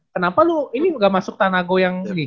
kenapa lu ini ga masuk tanago yang